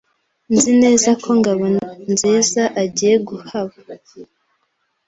Nzi neza ko Ngabonziza agiye kuhaba.